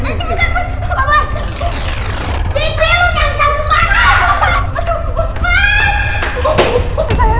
sayang jangan takut ya